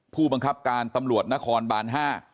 ผู้บังคับการตำรวจนครบาน๕